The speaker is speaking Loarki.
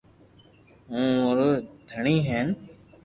ھون اورو دھڻي ھين